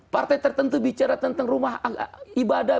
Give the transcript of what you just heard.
partai tertentu bicara tentang rumah ibadah